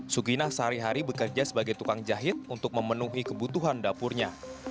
sugina sehari hari bekerja sebagai tukang jahit untuk memenuhi kebutuhan dapurnya